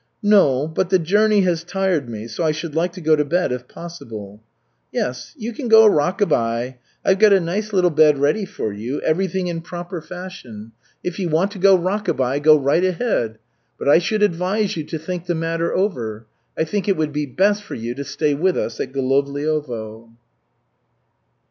"No. But the journey has tired me, so I should like to go to bed if possible." "Yes, you can go rock a by. I've got a nice little bed ready for you, everything in proper fashion. If you want to go rock a by, go right ahead. But I should advise you to think the matter over. I think it would be best for you to stay with us at Golovliovo."